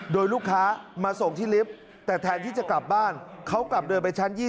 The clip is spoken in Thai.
โดยลูกค้ามาส่งที่ลิฟต์แต่แทนที่จะกลับบ้านเขากลับเดินไปชั้น๒๐